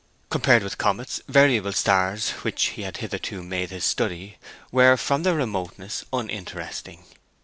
Compared with comets, variable stars, which he had hitherto made his study, were, from their remoteness, uninteresting.